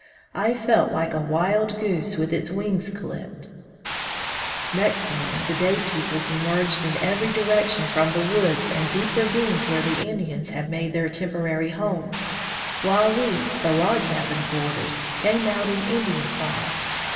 I felt like a wild goose with its wings clipped. 44 On the White MarCs Trail Next morning the day pupils emerged in every direction from the woods and deep ravines where the Indians had made their temporary homes, while we, the log cabin boarders, came out in Indian file.